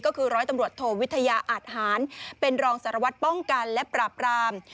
ก็คือร้อยตำรวจโทวิทยาอาทหารเป็นรองสารวัตรป้องกันและปราบราม